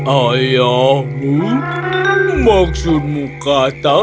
ayahmu maksudmu katak